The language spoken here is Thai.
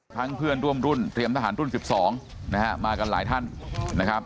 เพื่อนร่วมรุ่นเตรียมทหารรุ่น๑๒นะฮะมากันหลายท่านนะครับ